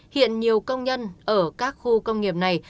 hiện nhiều công nhân ở các khu công nghiệp này